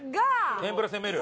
天ぷら攻める？